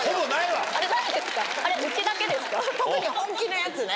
特に本気のやつね。